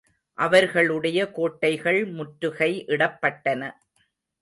அவர்களுடைய கோட்டைகள் முற்றுகை இடப்பட்டன.